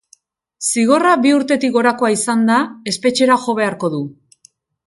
Zigorra bi urtetik gorakoa izanda, espetxera jo beharko du.